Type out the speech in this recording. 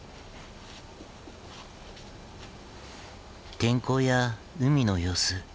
天候や海の様子